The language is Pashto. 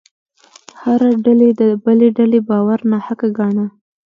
هره ډلې د بلې ډلې باور ناحقه ګاڼه.